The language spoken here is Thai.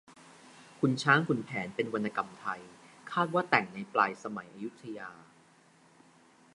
ขุนช้างขุนแผนเป็นวรรณกรรมไทย คาดว่าแต่งในปลายสมัยอยุธยา